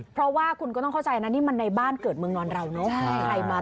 เพราะว่าคุณก็ต้องเข้าใจนะนี่มันในบ้านเกิดเมืองนอนเราเนอะ